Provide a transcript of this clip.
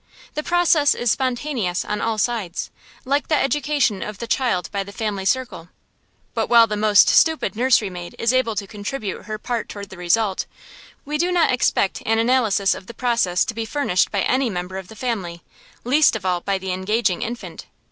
The process is spontaneous on all sides, like the education of the child by the family circle. But while the most stupid nursery maid is able to contribute her part toward the result, we do not expect an analysis of the process to be furnished by any member of the family, least of all by the engaging infant.